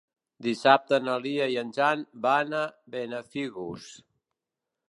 Dissabte na Lia i en Jan van a Benafigos.